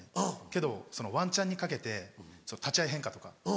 けどワンチャンにかけて立ち合い変化とか。